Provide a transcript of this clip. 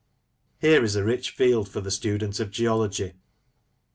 Here is a rich field for the student of geology.